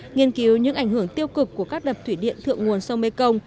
nghiên cứu những ảnh hưởng tiêu cực của các đập thủy điện thượng nguồn sông mê công